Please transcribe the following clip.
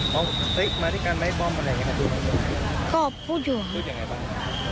เขามาด้วยกันไหมบ้อมมันยังไงครับพูดอยู่ครับพูดอย่างไงบ้าง